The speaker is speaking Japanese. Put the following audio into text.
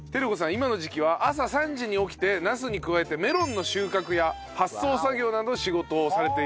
今の時期は朝３時に起きてナスに加えてメロンの収穫や発送作業などの仕事をされているという。